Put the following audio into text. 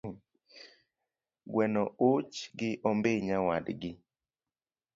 Gweno uch gi ombi nyawadgi